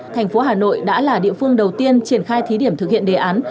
thành phố hà nội đã là địa phương đầu tiên triển khai thí điểm thực hiện đề án